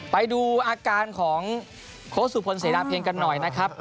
ไปดูอาการของโค้ชสุพลเสนาเพลงกันหน่อยนะครับ